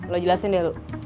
lo jelasin deh lu